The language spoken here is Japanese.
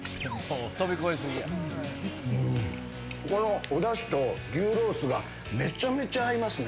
このおだしと牛ロースが、めちゃめちゃ合いますね。